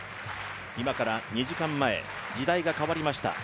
今から２時間前、時代が変わりました。